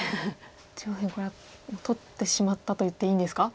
上辺これは取ってしまったと言っていいんですか？